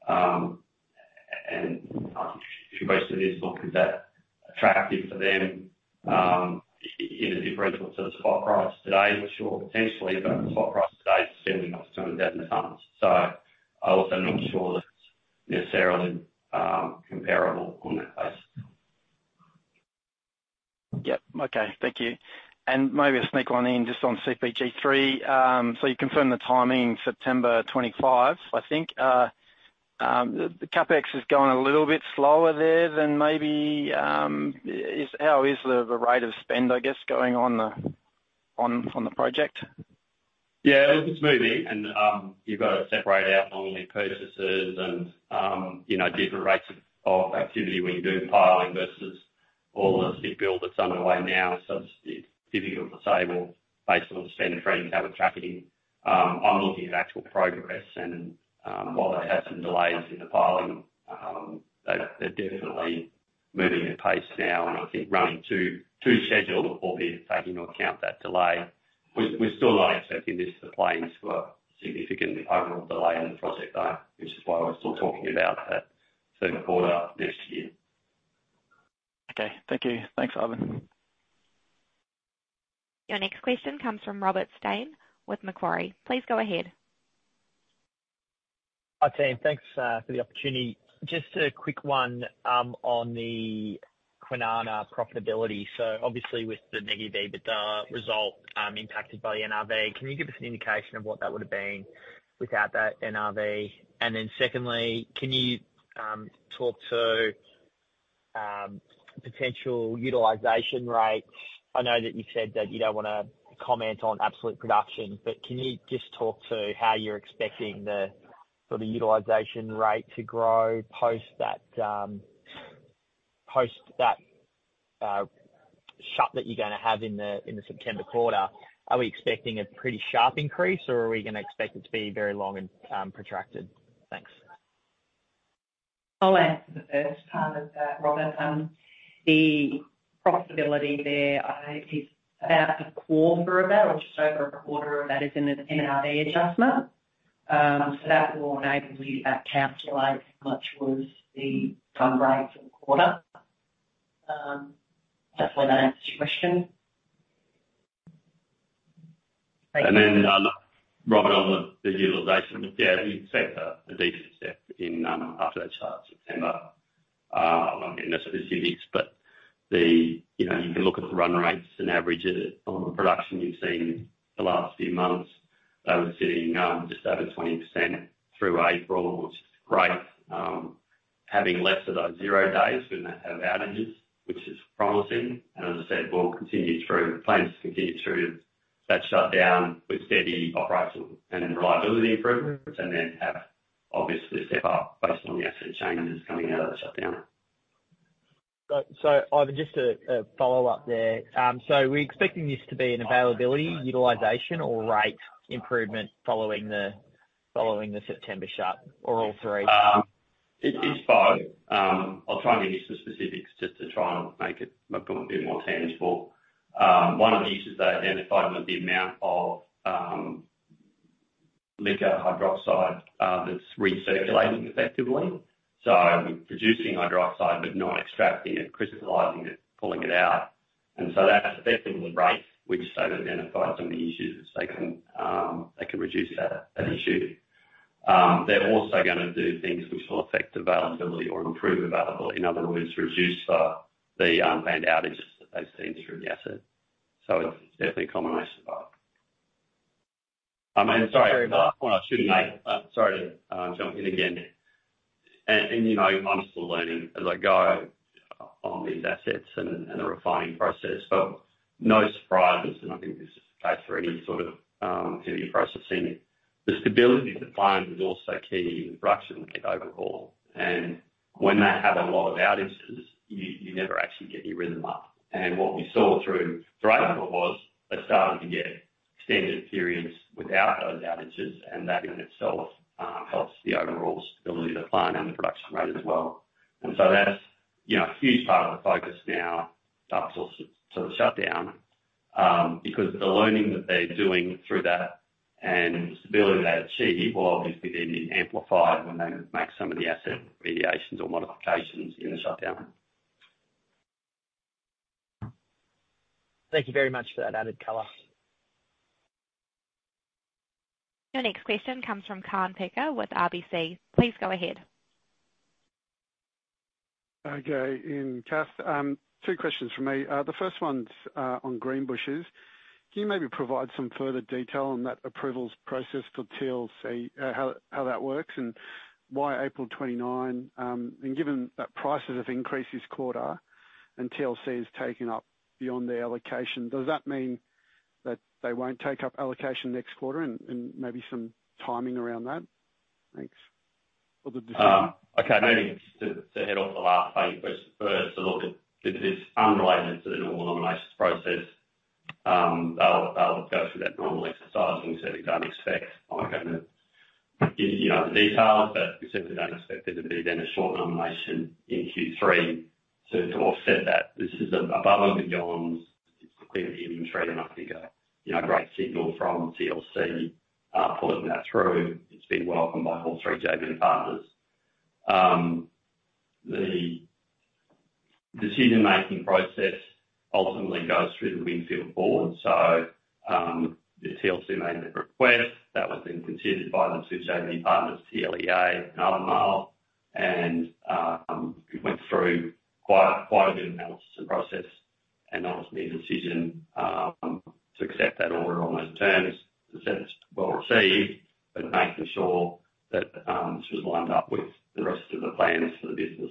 And I think the invoice that is, look, is that attractive for them in a differential to the spot price today? Sure, potentially. But the spot price today is fairly much 200,000 tonnes. So I'm also not sure that it's necessarily comparable on that basis. Yep. Okay. Thank you. And maybe a quick one on just on CGP3. So you confirmed the timing, September 25, I think. The CapEx is going a little bit slower there than maybe how is the rate of spend, I guess, going on the project? Yeah. Look, it's moving, and you've got to separate out normally purchases and different rates of activity when you're doing piling versus all the big build that's underway now. So it's difficult to say, well, based on the spend and trading cap and tracking, I'm looking at actual progress. And while they've had some delays in the piling, they're definitely moving at pace now, and I think running to schedule, albeit taking into account that delay. We're still not expecting this to play into a significant overall delay in the project, though, which is why we're still talking about that third quarter next year. Okay. Thank you. Thanks, Ivan. Your next question comes from Robert Stein with Macquarie. Please go ahead. Hi, Team. Thanks for the opportunity. Just a quick one on the Kwinana profitability. So obviously, with the negative EBITDA result impacted by the NRV, can you give us an indication of what that would have been without that NRV? And then secondly, can you talk to potential utilization rates? I know that you said that you don't want to comment on absolute production, but can you just talk to how you're expecting the sort of utilization rate to grow post that shutdown that you're going to have in the September quarter? Are we expecting a pretty sharp increase, or are we going to expect it to be very long and protracted? Thanks. Oh, and as part of that, Robert, the profitability there, I think it's about a quarter of that or just over a quarter of that is an NRV adjustment. So that will enable you to calculate how much was the fund rate for the quarter. Hopefully, that answers your question. Thank you. And then, Robert, on the utilization, yeah, we expect a decent step after that chart in September. I'm not getting the specifics, but you can look at the run rates and average it on the production you've seen the last few months. They were sitting just over 20% through April, which is great, having less of those zero days when they have outages, which is promising. And as I said, we'll continue through the plans to continue through that shutdown with steady operational and reliability improvements and then have, obviously, a step up based on the asset changes coming out of the shutdown. Great. So, Ivan, just a follow-up there. So we're expecting this to be an availability, utilization, or rate improvement following the September shut or all three? It's both. I'll try and give you some specifics just to try and make it a bit more tangible. One of the issues they identified was the amount of lithium hydroxide that's recirculating effectively. So we're producing hydroxide but not extracting it, crystallizing it, pulling it out. And so that's effectively the rate, which they've identified some of the issues that they can reduce that issue. They're also going to do things which will affect availability or improve availability. In other words, reduce the unplanned outages that they've seen through the asset. So it's definitely a combination of both. And sorry. Sorry about that. One I shouldn't make. Sorry to jump in again. I'm still learning as I go on these assets and the refining process, but no surprises, and I think this is the case for any sort of heavier processing. The stability of the plant's is also key in the production overall. When they have a lot of outages, you never actually get your rhythm up. What we saw through Travis was they started to get extended periods without those outages, and that in itself helps the overall stability of the plant and the production rate as well. That's a huge part of the focus now up till the shutdown because the learning that they're doing through that and the stability they achieve, well, obviously, then is amplified when they make some of the asset remediations or modifications in the shutdown. Thank you very much for that added color. Your next question comes from Kaan Peker with RBC. Please go ahead. Okay. In case, two questions from me. The first one's on Greenbushes. Can you maybe provide some further detail on that approvals process for TLC, how that works, and why April 29? And given that prices have increased this quarter and TLC has taken up beyond their allocation, does that mean that they won't take up allocation next quarter and maybe some timing around that? Thanks. For the decision? Okay. Maybe to head off the last thing first, to look at this is unrelated to the normal nominations process. They'll go through that normal exercise. We certainly don't expect. I'm not going to give you the details, but we certainly don't expect there to be then a short nomination in Q3 to offset that. This is above and beyond. It's the clear inventory, and I think a great signal from TLC pulling that through. It's been welcomed by all three JV partners. The decision-making process ultimately goes through the Windfield board. So TLC made that request. That was then considered by the two JV partners, TLEA and Albemarle, and it went through quite a bit of analysis and process and ultimately a decision to accept that order on those terms. Acceptance was well received, but making sure that this was lined up with the rest of the plans for the business.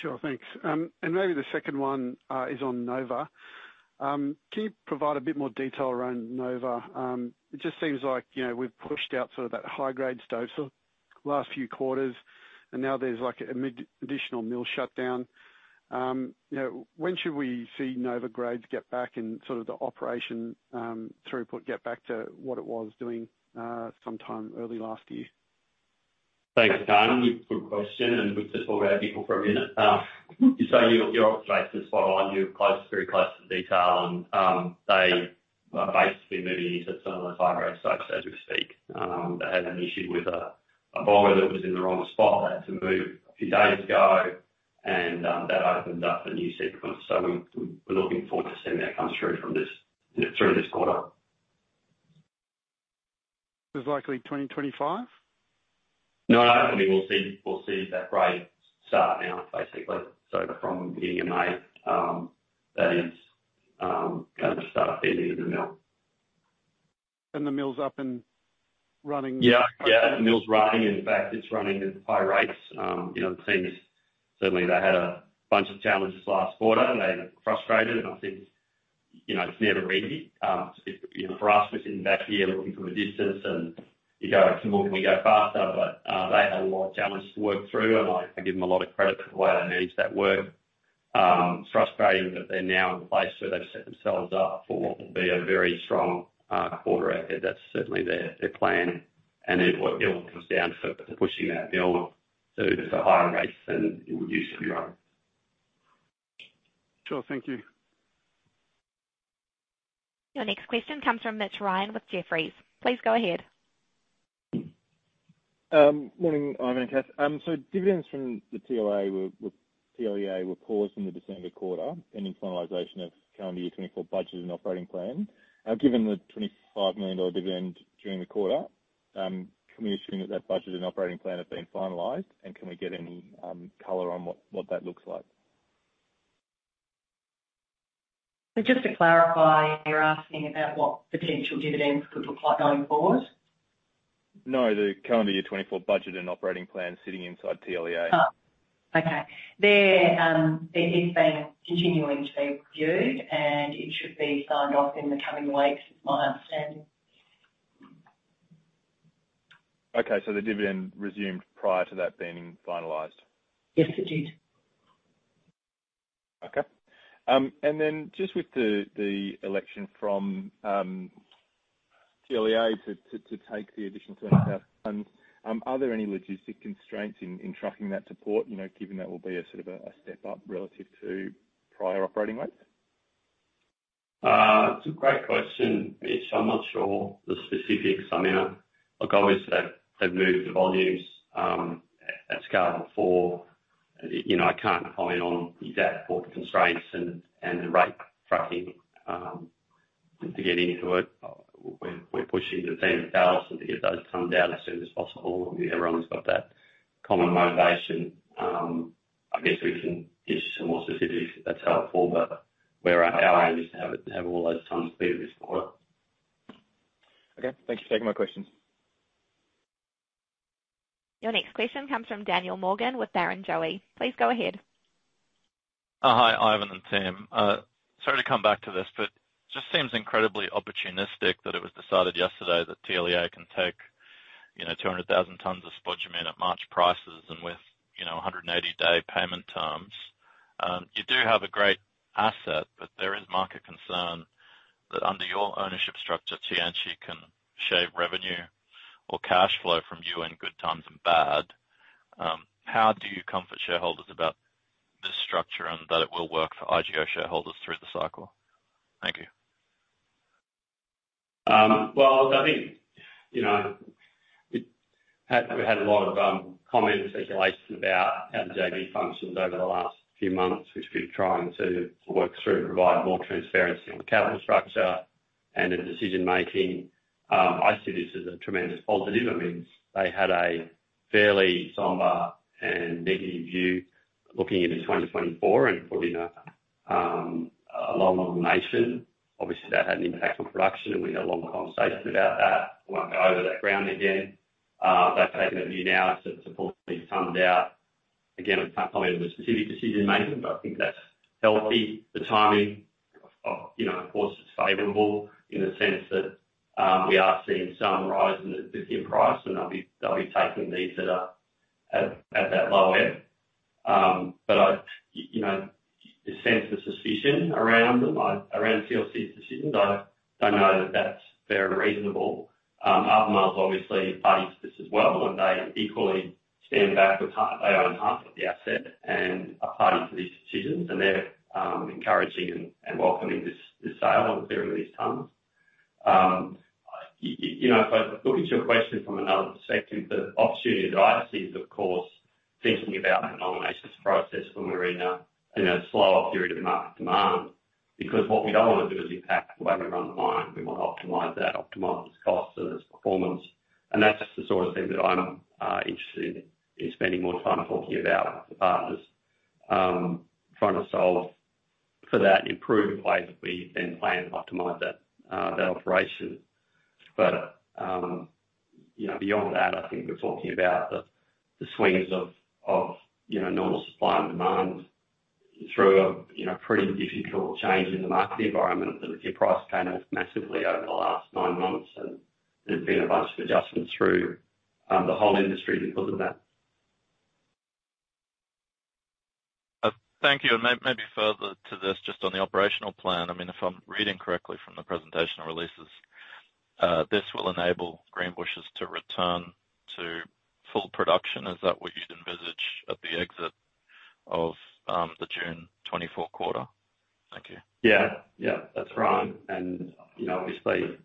Sure. Thanks. And maybe the second one is on Nova. Can you provide a bit more detail around Nova? It just seems like we've pushed out sort of that high-grade stope for the last few quarters, and now there's an additional mill shutdown. When should we see Nova grades get back and sort of the operation throughput get back to what it was doing sometime early last year? Thanks, Kaan. Good question. And we've just talked to Appy for a minute. You say your operation's spot on. You're very close to detail, and they are basically moving into some of those high-grade stopes, as we speak. They had an issue with a boiler that was in the wrong spot. They had to move a few days ago, and that opened up a new sequence. So we're looking forward to seeing that come through this quarter. Is it likely 2025? No, no. I mean, we'll see that grade start now, basically. So from beginning of May, that is going to start feeding into the mill. And the mill's up and running? Yeah. Yeah. The mill's running. In fact, it's running at high rates. It seems certainly, they had a bunch of challenges last quarter. They were frustrated, and I think it's never easy. For us, we're sitting back here looking from a distance, and you go, "Can we go faster?" But they had a lot of challenges to work through, and I give them a lot of credit for the way they managed that work. It's frustrating that they're now in a place where they've set themselves up for what will be a very strong quarter record. That's certainly their plan, and it all comes down to pushing that mill to higher rates than it would used to be running. Sure. Thank you. Your next question comes from Mitch Ryan with Jefferies. Please go ahead. Morning, Ivan and Kath. So dividends from the TLEA were paused in the December quarter pending finalization of calendar year 2024 budget and operating plan. Given the 25 million dividend during the quarter, can we assume that that budget and operating plan have been finalized, and can we get any color on what that looks like? So just to clarify, you're asking about what potential dividends could look like going forward? No. The calendar year 2024 budget and operating plan sitting inside TLEA. Okay. It's been continuing to be reviewed, and it should be signed off in the coming weeks, is my understanding. Okay. So the dividend resumed prior to that being finalized? Yes, it did. Okay. And then just with the election from TLEA to take the additional 20,000 tonnes, are there any logistic constraints in trucking that to port, given that will be sort of a step up relative to prior operating rates? It's a great question. I'm not sure the specifics. I mean, obviously, they've moved the volumes at scale before. I can't comment on exact port constraints and the rate trucking to get into it. We're pushing the team at Talison to get those tonnes out as soon as possible. Everyone's got that common motivation. I guess we can give you some more specifics if that's helpful, but our aim is to have all those tonnes cleared this quarter. Okay. Thank you for taking my questions. Your next question comes from Daniel Morgan with Barrenjoey. Please go ahead. Hi. Ivan and Tim. Sorry to come back to this, but it just seems incredibly opportunistic that it was decided yesterday that TLEA can take 200,000 tonnes of spodumene at March prices and with 180-day payment terms. You do have a great asset, but there is market concern that under your ownership structure, Tianqi can shave revenue or cash flow from you in good times and bad. How do you comfort shareholders about this structure and that it will work for IGO shareholders through the cycle? Thank you. Well, I think we've had a lot of comment and speculation about how the JV functioned over the last few months, which we've been trying to work through to provide more transparency on capital structure and in decision-making. I see this as a tremendous positive. I mean, they had a fairly somber and negative view looking into 2024 and putting a low nomination. Obviously, that had an impact on production, and we had a long conversation about that. We won't go over that ground again. They've taken a view now to pull these tonnes out. Again, I can't comment on the specific decision-making, but I think that's healthy. The timing, of course, is favorable in the sense that we are seeing some rise in the dip in price, and they'll be taking these at that low end. But I sense the suspicion around them, around TLC's decisions. I don't know that that's fair and reasonable. Albemarle's, obviously, party to this as well, and they equally stand back with their own half of the asset and are party to these decisions, and they're encouraging and welcoming this sale and clearing these tons. If I look at your question from another perspective, the opportunity that I see is, of course, thinking about the nominations process when we're in a slower period of market demand because what we don't want to do is impact the way we run the line. We want to optimize that, optimize its costs and its performance. And that's just the sort of thing that I'm interested in spending more time talking about with the partners trying to solve for that and improve the way that we then plan to optimize that operation. But beyond that, I think we're talking about the swings of normal supply and demand through a pretty difficult change in the market environment. The lithium price came off massively over the last nine months, and there's been a bunch of adjustments through the whole industry because of that. Thank you. And maybe further to this, just on the operational plan, I mean, if I'm reading correctly from the presentation releases, this will enable Greenbushes to return to full production. Is that what you'd envisage at the exit of the June 2024 quarter? Thank you. Yeah. Yeah. That's right. And obviously,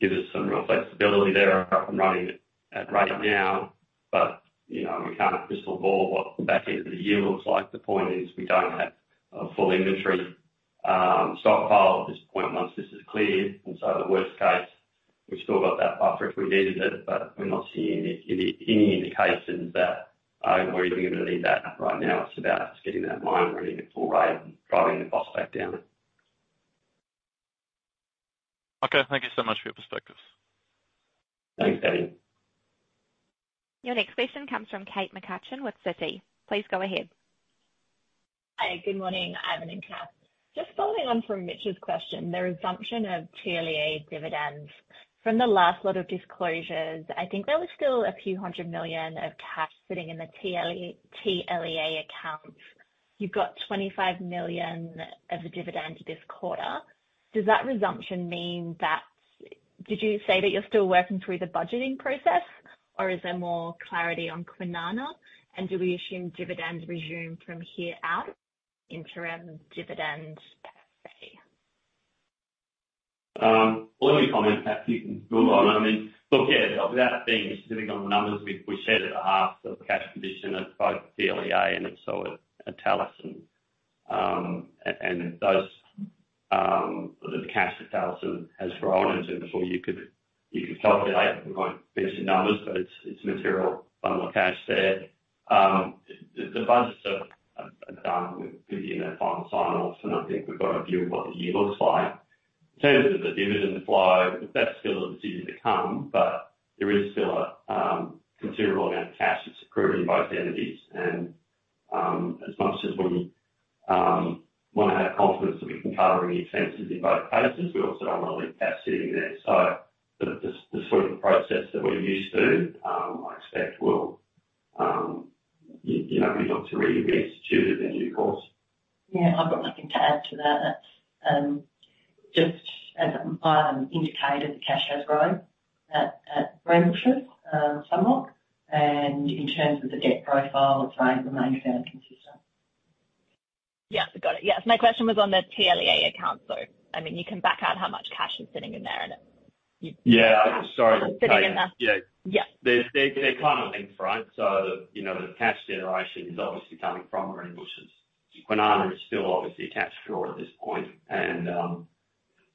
give us some real flexibility there up and running at rate now, but we can't crystal ball what the back end of the year looks like. The point is we don't have a full inventory stockpile at this point once this is cleared. And so in the worst case, we've still got that buffer if we needed it, but we're not seeing any indications that we're even going to need that right now. It's about just getting that line running at full rate and driving the cost back down. Okay. Thank you so much for your perspectives. Thanks, Dan. Your next question comes from Kate McCutcheon with Citi. Please go ahead. Hi. Good morning, Ivan and Kath. Just following on from Mitch's question, the resumption of TLEA dividends. From the last lot of disclosures, I think there was still a few hundred million AUD of cash sitting in the TLEA accounts. You've got 25 million AUD of the dividend this quarter. Does that resumption mean that did you say that you're still working through the budgeting process, or is there more clarity on Kwinana? And do we assume dividends resume from here out? Interim dividend? Well, let me comment, Kath, if you can build on. I mean, look, yeah, without being specific on the numbers, we shared it at half the cash position at both TLEA and at Talison. And the cash at Talison has grown as well. You could calculate. We won't mention numbers, but it's material bundle of cash there. The budgets are done. We're busy in that final sign-off, and I think we've got a view of what the year looks like. In terms of the dividend flow, that's still a decision to come, but there is still a considerable amount of cash that's accrued in both entities. As much as we want to have confidence that we can cover any expenses in both cases, we also don't want to leave cash sitting there. So the sort of process that we're used to, I expect we'll be able to reinstitute it in due course. Yeah. I've got nothing to add to that. Just as Ivan indicated, the cash has grown at Greenbushes, Talison. And in terms of the debt profile, it's remained fairly consistent. Yeah. Got it. Yes. My question was on the TLEA account, so. I mean, you can back out how much cash is sitting in there, and you've got sitting in that. Yeah. They're kind of linked front. So the cash generation is obviously coming from Greenbushes. Kwinana is still obviously a cash drawer at this point. And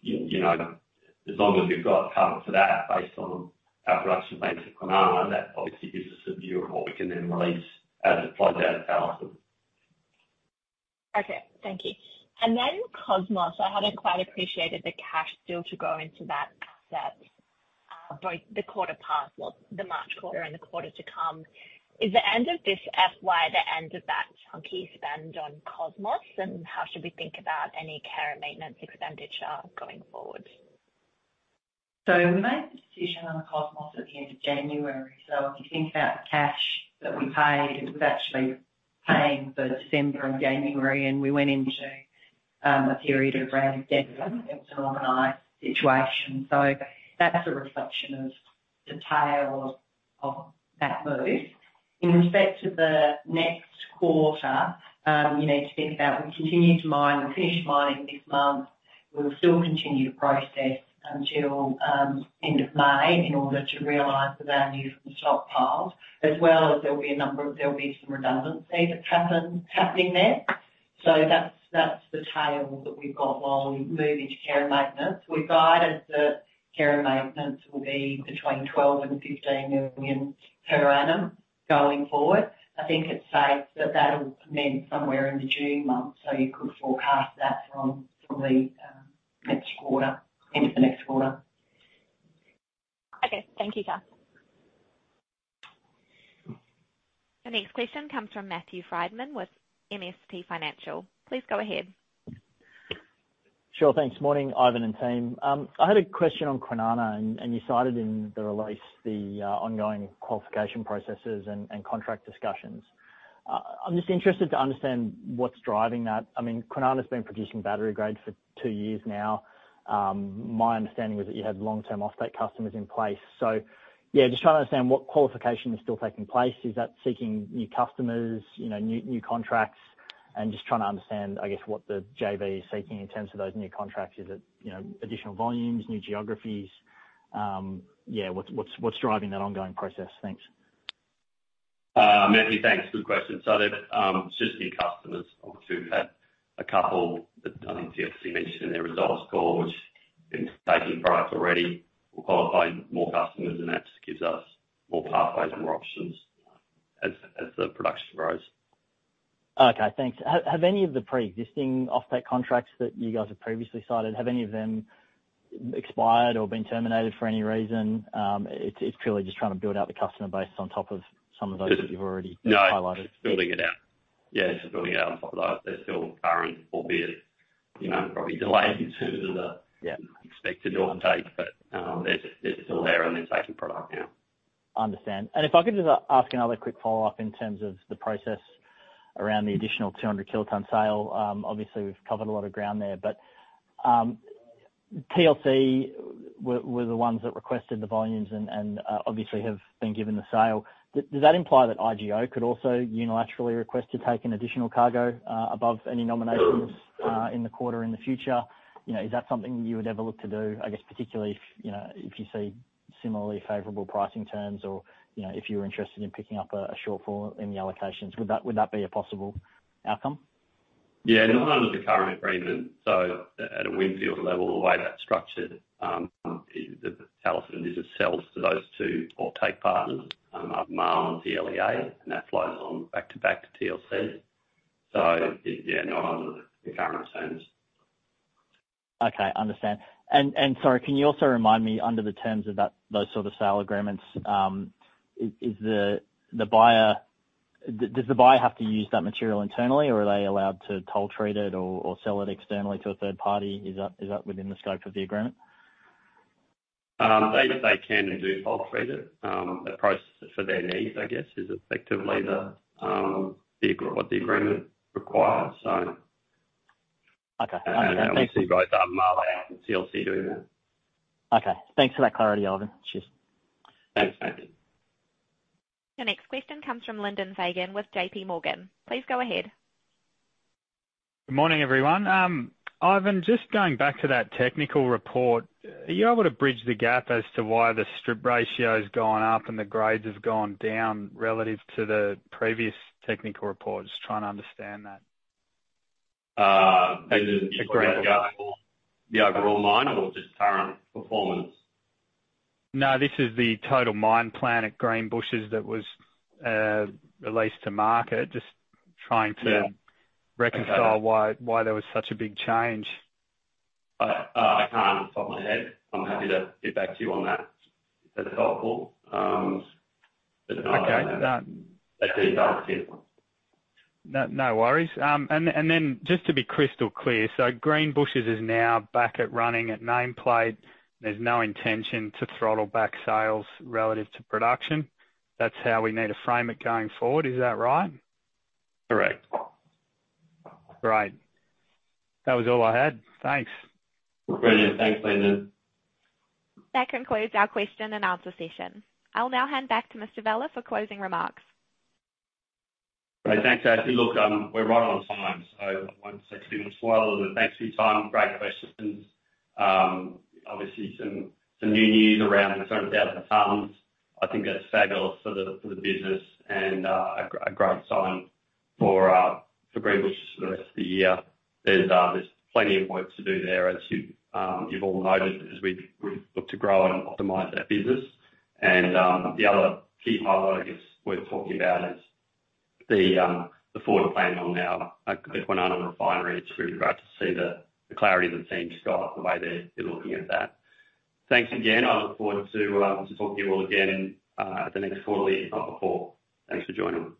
as long as we've got cover for that based on our production base at Kwinana, that obviously gives us a view of what we can then release as it flows out of Talison. Okay. Thank you. And then Cosmos. I hadn't quite appreciated the cash still to go into that asset, both the quarter passed, well, the March quarter and the quarter to come. Is the end of this FY the end of that chunky spend on Cosmos, and how should we think about any care and maintenance expenditure going forward? So we made the decision on the Cosmos at the end of January. So if you think about the cash that we paid, it was actually paying for December and January, and we went into a period of care and maintenance. It was an organized situation. So that's a reflection of the tail of that move. In respect to the next quarter, you need to think about we continue to mine. We finished mining this month. We will still continue to process until end of May in order to realize the value from the stockpiles, as well as there'll be some redundancy that's happening there. So that's the tail that we've got while we move into care and maintenance. We've guided that care and maintenance will be between 12 million and 15 million per annum going forward. I think it's safe that that'll mean somewhere in the June month, so you could forecast that from the end of the next quarter. Okay. Thank you, Kath. Your next question comes from Matthew Frydman with MST Financial. Please go ahead. Sure. Thanks. Morning, Ivan and Tim. I had a question on Kwinana, and you cited in the release the ongoing qualification processes and contract discussions. I'm just interested to understand what's driving that. I mean, Kwinana's been producing battery grade for two years now. My understanding was that you had long-term offtake customers in place. So yeah, just trying to understand what qualification is still taking place. Is that seeking new customers, new contracts? And just trying to understand, I guess, what the JV is seeking in terms of those new contracts. Is it additional volumes, new geographies? Yeah. What's driving that ongoing process? Thanks. Matthew, thanks. Good question. So it's just new customers. Obviously, we've had a couple that I think TLC mentioned in their results call, which have been taking product already will qualify more customers, and that just gives us more pathways and more options as the production grows. Okay. Thanks. Have any of the pre-existing offtake contracts that you guys have previously cited, have any of them expired or been terminated for any reason? It's purely just trying to build out the customer base on top of some of those that you've already highlighted. No. It's just building it out. Yeah. It's just building it out on top of those. They're still current, albeit probably delayed in terms of the expected offtake, but they're still there, and they're taking product now. Understand. If I could just ask another quick follow-up in terms of the process around the additional 200-kilotonne sale. Obviously, we've covered a lot of ground there, but TLC were the ones that requested the volumes and obviously have been given the sale. Does that imply that IGO could also unilaterally request to take an additional cargo above any nominations in the quarter in the future? Is that something that you would ever look to do, I guess, particularly if you see similarly favorable pricing terms or if you were interested in picking up a shortfall in the allocations? Would that be a possible outcome? Yeah. Not under the current agreement. So at a Windfield level, the way that's structured, the Talison is a sales to those two offtake partners, Albemarle and TLEA, and that flows back-to-back to TLC. So yeah, not under the current terms. Okay. Understand. And sorry, can you also remind me, under the terms of those sort of sale agreements, does the buyer have to use that material internally, or are they allowed to toll-treat it or sell it externally to a third party? Is that within the scope of the agreement? They can and do toll-treat it. The process for their needs, I guess, is effectively what the agreement requires, so. Okay. Understand. Thanks. And obviously, both Albemarle and TLEA doing that. Okay. Thanks for that clarity, Ivan. Cheers. Thanks, Matthew. Your next question comes from Lyndon Fagan with J.P. Morgan. Please go ahead. Good morning, everyone. Ivan, just going back to that technical report, are you able to bridge the gap as to why the strip ratio's gone up and the grades have gone down relative to the previous technical report? Just trying to understand that. Is it the overall mine or just current performance? No. This is the total mine plan at Greenbushes that was released to market, just trying to reconcile why there was such a big change. I can't off the top of my head. I'm happy to get back to you on that if that's helpful. But no, I don't think that's the entire case. No worries. And then just to be crystal clear, so Greenbushes is now back at running at nameplate. There's no intention to throttle back sales relative to production. That's how we need to frame it going forward. Is that right? Correct. Great. That was all I had. Thanks. Brilliant. Thanks, Lyndon. That concludes our question-and-answer session. I'll now hand back to Mr. Vella for closing remarks. Great. Thanks, Ashley. Look, we're right on time, so I won't say too much while. Thanks for your time. Great questions. Obviously, some new news around the 20,000 tonnes. I think that's fabulous for the business and a great sign for Greenbushes for the rest of the year. There's plenty of work to do there, as you've all noted, as we've looked to grow and optimize that business. The other key highlight, I guess, worth talking about is the forward plan on our Kwinana refinery. It's really great to see the clarity the team's got and the way they're looking at that. Thanks again. I look forward to talking to you all again at the next quarterly, if not before. Thanks for joining.